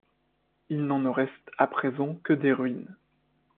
Il n'en ne reste à présent que des ruines.